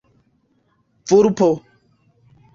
vulpo